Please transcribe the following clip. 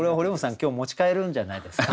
今日持ち帰るんじゃないですか？